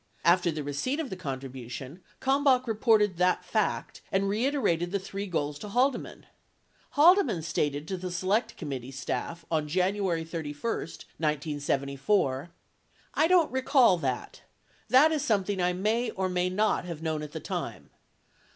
72 After the receipt of the contribution, Kalmbach reported that fact and reiter ated the three goals to Haldeman. 73 Haldeman stated to the Select Committee staff on January 31, 1974 : I don't recall that ... That is something I may or may not have known at the time